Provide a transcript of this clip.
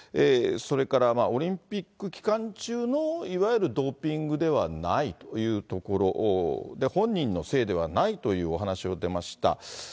それから、オリンピック期間中のいわゆるドーピングではないというところで、本人のせいではないというお話も出ました。